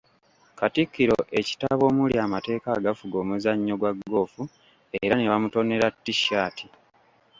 Katikkiro ekitabo omuli amateeka agafuga omuzannyo gwa golf era ne bamutonera T-shirt.